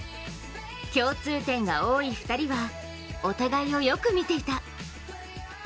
共通点が多い２人はお互いをよく見ていた。